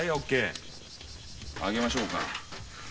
揚げましょうか。